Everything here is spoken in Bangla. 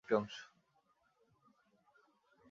বোমান্স ক্যাপসুল দুই স্তরবিশিষ্ট পেয়ালার মতো প্রসারিত একটি অংশ।